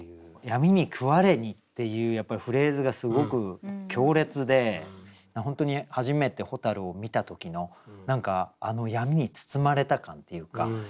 「闇に食われに」っていうフレーズがすごく強烈で本当に初めて蛍を見た時の何かあの闇に包まれた感っていうか。